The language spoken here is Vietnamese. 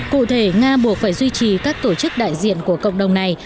cụ thể nga buộc phải duy trì các tổ chức đại diện của cộng đồng này